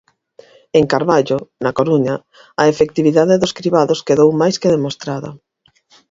En Carballo, na Coruña, a efectividade dos cribados quedou máis que demostrada.